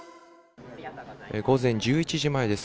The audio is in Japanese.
午前１１時前です。